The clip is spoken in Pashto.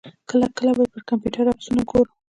کله کله یې پر کمپیوټر عکسونه ګورم.